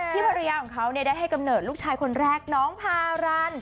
ภรรยาของเขาได้ให้กำเนิดลูกชายคนแรกน้องพารัน